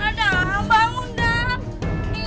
adam bangun adam